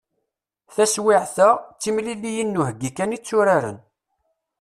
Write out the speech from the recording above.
Taswiɛt-a, d timliliyin n uheggi kan i tturaren.